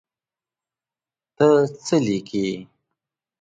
ته څه لیکې.